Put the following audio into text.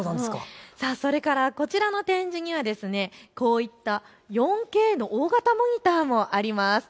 それからこちらの展示には４Ｋの大型モニターもあります。